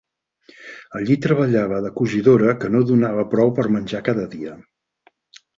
Allí treballava de cosidora que no donava prou per menjar cada dia.